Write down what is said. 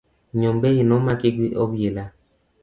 Nyombei no maki gi obila.